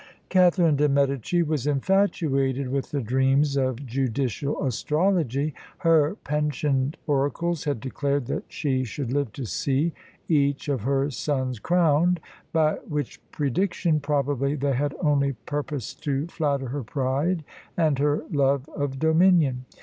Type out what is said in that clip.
Catharine de' Medici was infatuated with the dreams of judicial astrology; her pensioned oracles had declared that she should live to see each of her sons crowned, by which prediction probably they had only purposed to flatter her pride and her love of dominion.